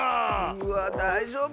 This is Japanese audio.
うわだいじょうぶ？